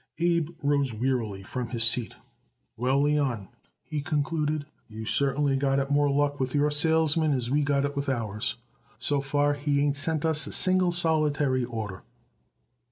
Abe rose wearily from his seat. "Well, Leon," he concluded, "you certainly got it more luck with your salesman as we got it with ours. So far he ain't sent us a single, solitary order."